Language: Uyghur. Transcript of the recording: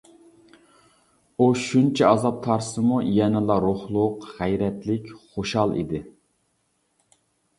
ئۇ شۇنچە ئازاب تارتسىمۇ يەنىلا، روھلۇق، غەيرەتلىك، خۇشال ئىدى.